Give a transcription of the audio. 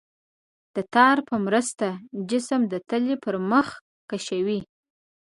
د تار په مرسته جسم د تلې پر مخ کشوي.